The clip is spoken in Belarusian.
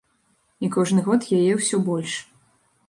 І кожны год яе ўсё больш.